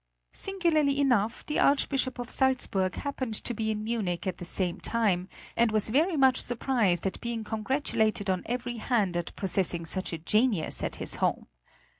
Singularly enough the Archbishop of Salzburg happened to be in Munich at the same time, and was very much surprised at being congratulated on every hand at possessing such a genius at his home.